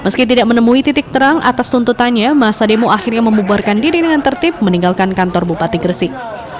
meski tidak menemui titik terang atas tuntutannya masa demo akhirnya membuarkan diri dengan tertib meninggalkan kantor bupati gresik